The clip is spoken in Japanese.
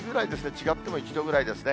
違っても１度ぐらいですね。